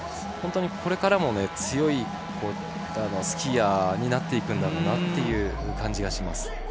本当に、これからも強いスキーヤーになっていくんだろうなという感じがします。